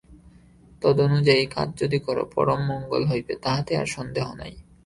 তদনুযায়ী কাজ যদি কর, পরম মঙ্গল হইবে, তাহাতে আর সন্দেহ নাই।